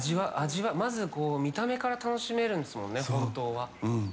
まず見た目から楽しめるんですもんね。